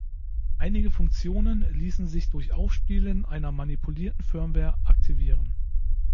Einige Funktionen ließen sich durch Aufspielen einer manipulierten Firmware aktivieren.